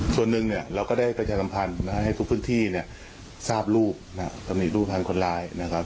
ส่วนหนึ่งเราก็ได้กระจายสัมพันธ์ให้ทุกพื้นที่ทราบรูปตำนีดรูปพันธ์คนร้าย